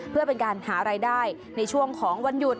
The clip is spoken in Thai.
เพื่อเป็นการหารายได้ในช่วงของวันหยุด